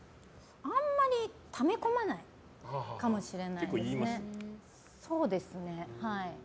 あんまりため込まないかもしれないですね。